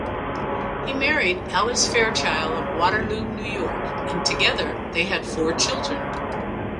He married Alice Fairchild of Waterloo, New York, and together they had four children.